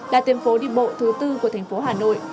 là tiền phố đi bộ thứ bốn của thành phố hà nội